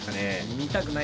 見たくない？